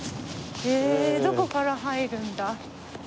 どこから入るんだ？